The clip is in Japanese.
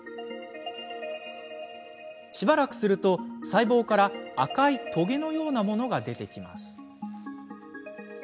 しばらくすると細胞から、赤いトゲのようなものが出てきます。